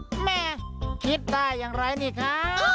แม่คิดได้อย่างไรนี่คะ